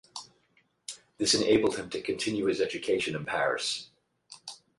This enabled him to continue his education in Paris.